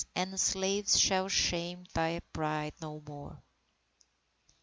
and slaves Shall shame thy pride no more.